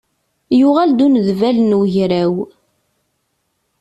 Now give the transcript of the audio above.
Yuɣal-d unedbal n ugraw.